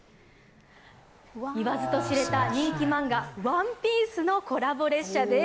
言わずとしれた人気漫画「ＯＮＥＰＩＥＣＥ」のコラボ列車です。